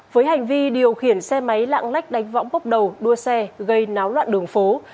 với hành vi điều khiển xe máy lạng lách đánh võng bốc đầu đua xe gây náo loạn đường phố